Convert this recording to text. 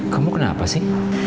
kamu kenapa sih